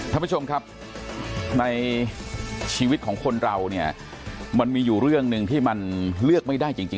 ท่านผู้ชมครับในชีวิตของคนเราเนี่ยมันมีอยู่เรื่องหนึ่งที่มันเลือกไม่ได้จริง